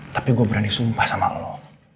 tapi gue berani sumpah sama allah